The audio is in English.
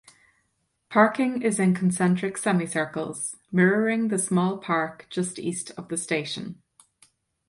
Parking is in concentric semicircles, mirroring the small park just east of the station.